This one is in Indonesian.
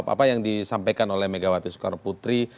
apa yang disampaikan oleh megawati soekarno putri